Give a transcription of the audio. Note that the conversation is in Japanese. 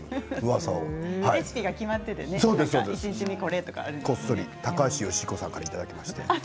レシピが決まっててね、こっそり高橋慶彦さんからいただきました。